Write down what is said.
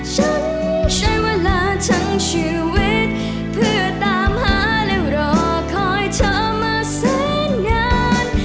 ฉันใช้เวลาทั้งชีวิตเพื่อตามหาแล้วรอคอยเธอมาแสนงาน